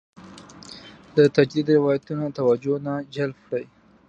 د تجدید روایتونه توجه نه جلب کړې.